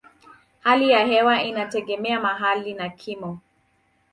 Hali ya hewa inategemea mahali na kimo.